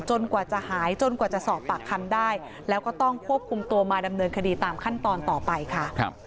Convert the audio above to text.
กว่าจะหายจนกว่าจะสอบปากคำได้แล้วก็ต้องควบคุมตัวมาดำเนินคดีตามขั้นตอนต่อไปค่ะ